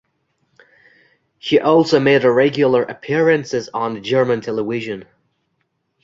He also made regular appearances on German television.